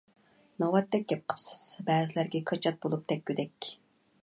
ناۋاتتەك گەپ قىپسىز، بەزىلەرگە كاچات بولۇپ تەگكۈدەك!